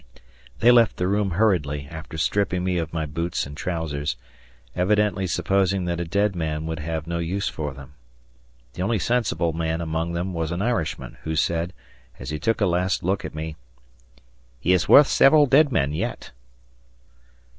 They left the room hurriedly, after stripping me of my boots and trousers, evidently supposing that a dead man would have no use for them. The only sensible man among them was an Irishman, who said, as he took a last look at me, "He is worth several dead men yet."